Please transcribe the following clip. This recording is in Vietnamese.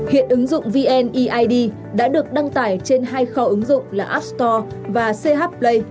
hiện ứng dụng vneid đã được đăng tải trên hai kho ứng dụng là app store và ch play